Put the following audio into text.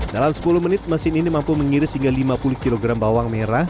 dalam sepuluh menit mesin ini mampu mengiris hingga lima puluh kg bawang merah